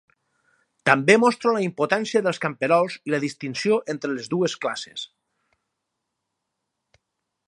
També mostra la impotència dels camperols i la distinció entre les dues classes.